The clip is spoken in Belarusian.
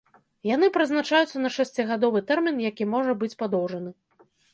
Яны прызначаюцца на шасцігадовы тэрмін, які можа быць падоўжаны.